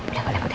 udah boleh boleh